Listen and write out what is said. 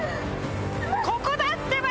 ここだってば！